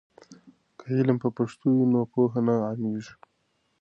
که علم په پښتو وي نو پوهه عامېږي.